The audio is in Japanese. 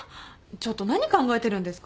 ちょっと何考えてるんですか！